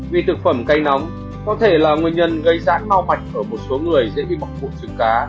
vì thực phẩm cay nóng có thể là nguyên nhân gây rãn mau mạch ở một số người dễ bị mặc phục trứng cá